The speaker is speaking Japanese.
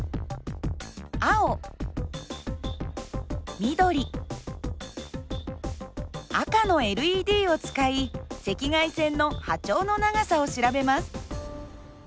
青緑赤のＬＥＤを使い赤外線の波長の長さを調べます。